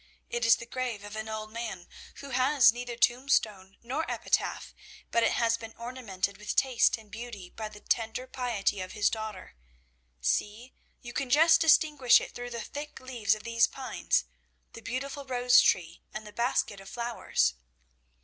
It is the grave of an old man, who has neither tombstone nor epitaph, but it has been ornamented with taste and beauty by the tender piety of his daughter. See, you can just distinguish it through the thick leaves of these pines the beautiful rose tree and the basket of flowers.'